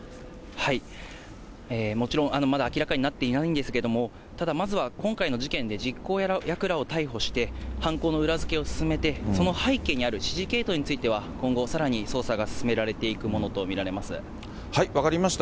もちろんまだ明らかになっていないんですけれども、ただ、まずは今回の事件で実行役らを逮捕して、犯行の裏付けを進めて、その背景にある指示系統については、今後さらに捜査が進められて分かりました。